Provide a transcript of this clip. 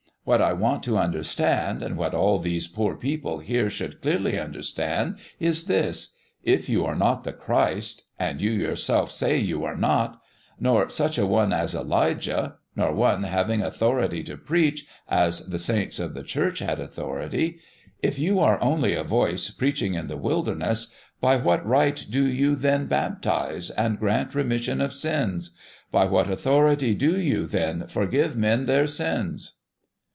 What I want to understand, and what all these poor people here should clearly understand, is this: If you are not the Christ and you yourself say you are not nor such a one as Elijah, nor one having authority to preach, as the saints of the Church had authority if you are only a voice preaching in the wilderness, by what right do you, then, baptize and grant remission of sins? By what authority do you, then, forgive men their sins?"